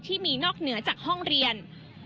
นอกเหนือจากห้องเรียน